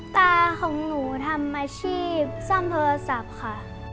ตาของหนูทำอาชีพซ่อมโทรศัพท์ค่ะ